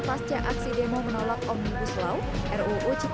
pasca aksi demo menolak omnibus law ruu cipta